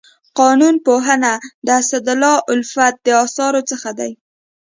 قانون پوهنه د اسدالله الفت د اثارو څخه دی.